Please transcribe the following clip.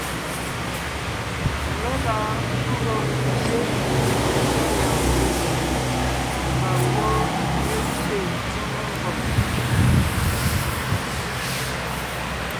Mé lɔɔn ḿvɔg ḿbye tá yɔɔn fʉ̀ʼ ńkuʼ, mbà ńgwɔ́ mé pyé tsɔ́ memvòm.